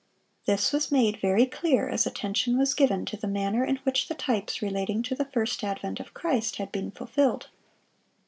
This was made very clear as attention was given to the manner in which the types relating to the first advent of Christ had been fulfilled.